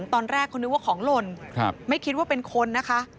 ตอนแรกเขานึกว่าของหล่นไม่คิดว่าเป็นคนนะคะ